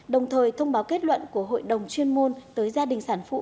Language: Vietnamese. đồng thời thông báo kết luận của hội đồng chuyên môn tới gia đình sản phụ